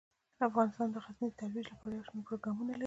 افغانستان د غزني د ترویج لپاره یو شمیر پروګرامونه لري.